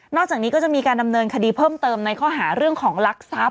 อกจากนี้ก็จะมีการดำเนินคดีเพิ่มเติมในข้อหาเรื่องของลักทรัพย